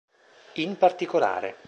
In particolare